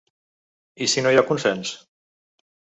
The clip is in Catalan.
I si no hi ha consens?